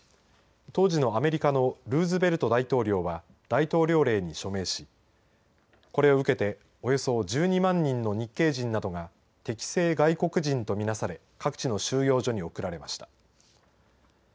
当時のアメリカのルーズベルト大統領は大統領令に署名しこれを受けておよそ１２万人の日系人などが敵性外国人とみなされ各地の収容所に送られました。